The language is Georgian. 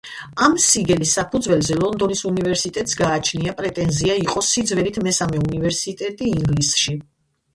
ამ სიგელის საფუძველზე ლონდონის უნივერსიტეტს გააჩნია პრეტენზია იყოს სიძველით მესამე უნივერსიტეტი ინგლისში.